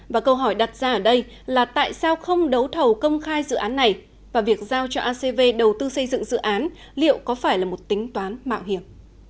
và câu hỏi đặt ra ở đây là tại sao không đấu thầu công khai dự án này và việc giao cho acv đầu tư xây dựng dự án liệu có phải là một tính toán mạo hiểm